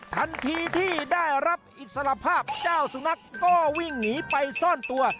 ทันทีที่ได้รับอิสระภาพเจ้าสุนัขก็วิ่งหนีไปซ่อนตัว